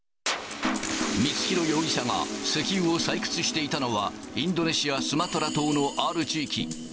光弘容疑者が石油を採掘していたのは、インドネシア・スマトラ島のある地域。